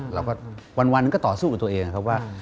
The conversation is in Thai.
เราก็วันก็ต่อสู้กับตัวเองนะครับว่า